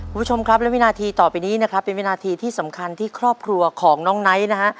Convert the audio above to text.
คุณผู้ชมครับและวินาทีต่อไปนี้นะครับเป็นวินาทีที่สำคัญที่ครอบครัวของน้องไนท์นะฮะ